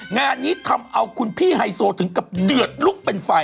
งานนี้ทำเอาคุณพี่ไฮโซถึงกับเดือดลุกเป็นไฟ